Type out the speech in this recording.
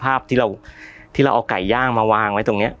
ภาพที่เราที่เราเอาไก่ย่างมาวางไว้ตรงนี้